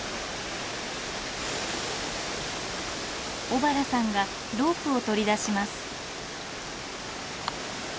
小原さんがロープを取り出します。